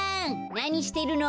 なにしてるの？